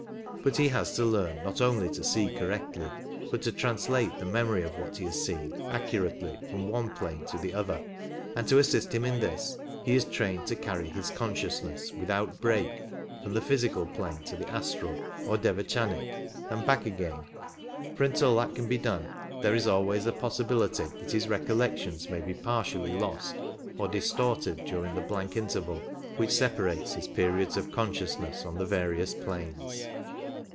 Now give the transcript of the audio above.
But he has to learn not only to see correctly but to translate the memory of what he has seen accurately from one plane to the other ; and to assist him in this he is trained to carry his consciousness without break from the physical plane to the astral or devachanic and back again, for until that can be done there is always a possibility that his recollections may be partially lost or distorted during the blank interval which separates his periods of consciousness on the various planes.